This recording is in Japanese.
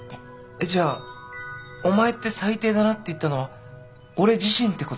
えっじゃ「お前って最低だな」って言ったのは俺自身ってことですか？